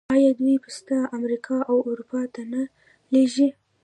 آیا دوی پسته امریکا او اروپا ته نه لیږي؟